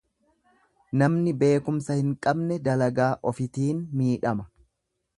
Namni beekumsa hin qabne dalagaa ofitiin miidhama.